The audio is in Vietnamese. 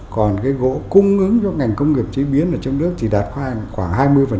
còn gỗ cung ứng cho ngành công nghiệp chế biến trong nước chỉ đạt khoảng hai mươi